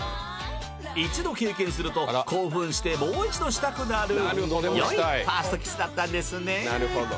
一度経験すると興奮してもう一度したくなる良いファーストキスだったんですね